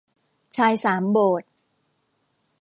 ชายสามโบสถ์